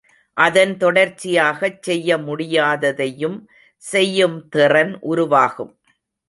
அதன் தொடர்ச்சியாகச் செய்ய முடியாததையும் செய்யும் திறன் உருவாகும்.